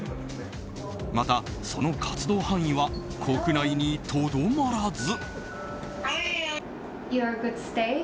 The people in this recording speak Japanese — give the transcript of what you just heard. また、その活動範囲は国内にとどまらず。